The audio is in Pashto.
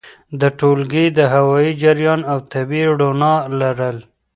د ټولګي د هوايي جریان او طبیعي رؤڼا لرل!